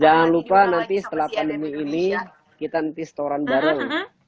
jangan lupa nanti setelah pandemi ini kita nanti setoran bareng